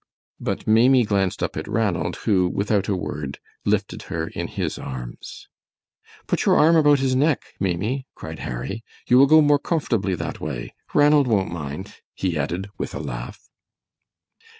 But Maimie glanced up at Ranald, who without a word, lifted her in his arms. "Put your arm about his neck, Maimie," cried Harry, "you will go more comfortably that way. Ranald won't mind," he added, with a laugh.